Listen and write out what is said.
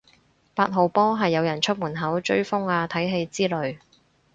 八號波係有人出門口追風啊睇戲之類